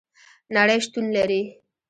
نړۍ شتون لري